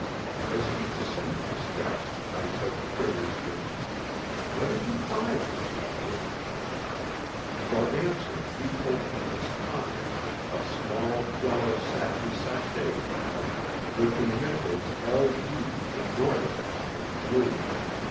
As we descended the steps I said curiously, "What did you find, McKelvie?" For answer he pulled from his pocket a small yellow satin sachet bag with the initials L. D. embroidered on it in blue.